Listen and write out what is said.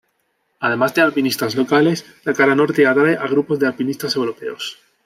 Además de alpinistas locales, la cara norte atrae a grupos de alpinistas europeos.